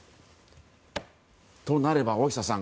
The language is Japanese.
となれば大下さん